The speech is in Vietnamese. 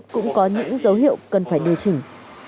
cũng có những dấu hiệu cần phải điều chỉnh